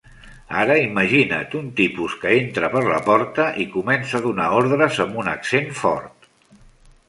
Ara imagina't un tipus que entra per la porta i comença a donar ordres amb un accent fort.